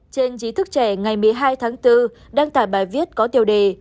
trên trí thức trẻ ngày một mươi hai tháng bốn đăng tải bài viết có tiêu đề